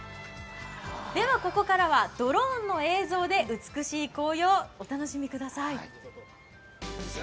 ここからはドローンの映像で美しい紅葉をお楽しみください。